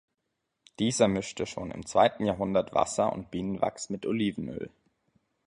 Dieser mischte schon im zweiten Jahrhundert Wasser und Bienenwachs mit Olivenöl.